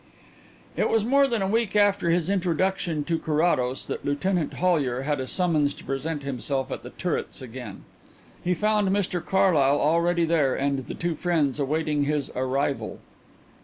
It was more than a week after his introduction to Carrados that Lieutenant Hollyer had a summons to present himself at The Turrets again. He found Mr Carlyle already there and the two friends awaiting his arrival.